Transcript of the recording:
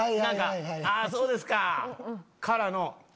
あそうですか！からの。